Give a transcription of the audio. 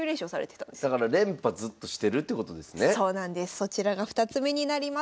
そちらが２つ目になります。